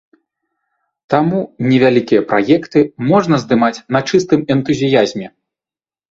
Таму невялікія праекты можна здымаць на чыстым энтузіязме.